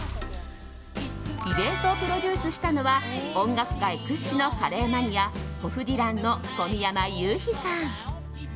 イベントをプロデュースしたのは音楽界屈指のカレーマニアホフディランの小宮山雄飛さん。